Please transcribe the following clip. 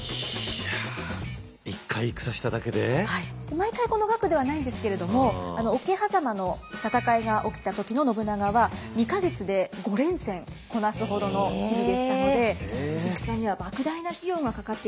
毎回この額ではないんですけれども桶狭間の戦いが起きた時の信長は２か月で５連戦こなすほどの日々でしたので戦には莫大な費用がかかっていたと思われます。